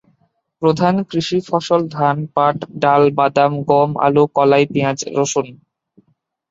প্রধান কৃষি ফসল ধান, পাট, ডাল, বাদাম, গম, আলু, কলাই, পিঁয়াজ, রসুন।